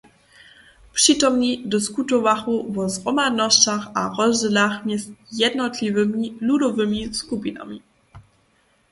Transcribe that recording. Přitomni diskutowachu wo zhromadnosćach a rozdźělach mjez jednotliwymi ludowymi skupinami.